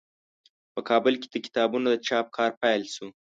په کابل کې د کتابونو د چاپ کار پیل شو.